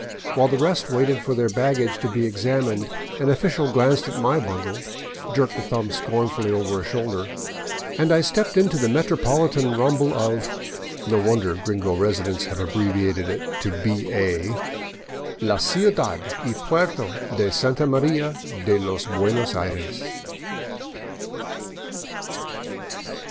While the rest waited for their baggage to be ex amined, an official glanced at my bundle, jerked a thumb scornfully over a shoulder, and I stepped out into the metropolitan rumble of — no wonder gringo residents have abbreviated it to " B.A." —'* la Ciudad y Puerto de Santa Maria de los Buenos Aires."